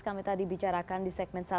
kami tadi bicarakan di segmen satu